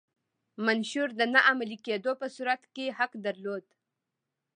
منشور د نه عملي کېدو په صورت کې حق درلود.